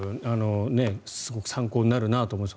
すごく参考になるなと思います。